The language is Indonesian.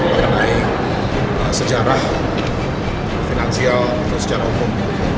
mengenai sejarah finansial atau secara hukum